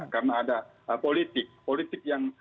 karena ada politik politik yang